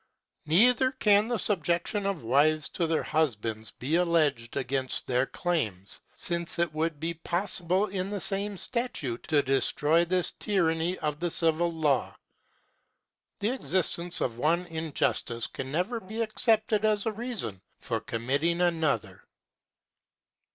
Neither can the subjection of wives to their husbands be alleged against their claims, since it would be possible in the same statute to destroy this tyranny of the civil law. The existence of one injustice can never be accepted as a reason for committing another.